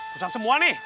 susah semua nih